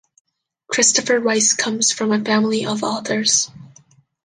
Christopher Rice comes from a family of authors.